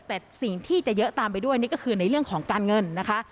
แต่สิ่งที่จะเยอะตามไปด้วยนี่ก็คือในเรื่องของการเงินนะคะ